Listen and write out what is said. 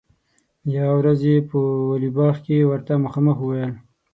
یوه ورځ یې په ولي باغ کې ورته مخامخ وویل.